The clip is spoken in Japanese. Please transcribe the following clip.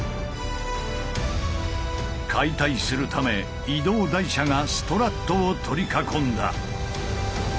解体するため移動台車がストラットを取り囲んだ。